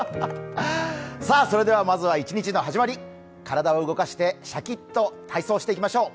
まずは一日の始まり、体を動かしてシャキッと体操していきましょう。